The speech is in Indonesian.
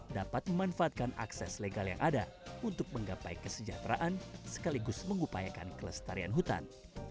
dapat memanfaatkan akses legal yang ada untuk menggapai kesejahteraan sekaligus mengupayakan kelestarian hutan